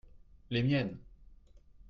les miennes.